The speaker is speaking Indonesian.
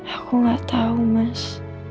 aku nggak tahu mas